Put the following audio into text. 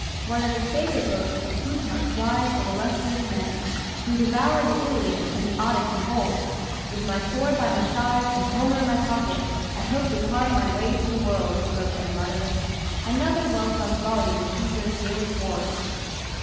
One of his favorite books was Plutarch's "Lives of Illustrious Men." He devoured the "Iliad" and the "Odyssey" whole. "With my sword by my side, and Homer in my pocket, I hope to carve my way through the world," he wrote to his mother. Another well thumbed volume was Caesar's "Gallic Wars."